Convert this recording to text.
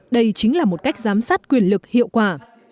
đây chính là một cách giám sát quyền lực hiệu quả